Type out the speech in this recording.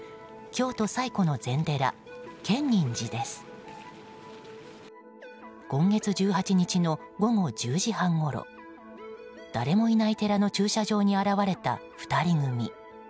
今月１８日の午後１０時半ごろ誰もいない寺の駐車場に現れた２人組。